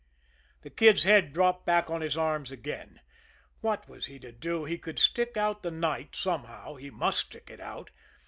The Kid's head dropped back on his arms again. What was he to do? He could stick out the night somehow he must stick it out.